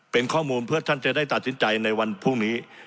เป็นข้อมูลเพื่อท่านจะได้ตัดสินใจในวันพรุ่งนี้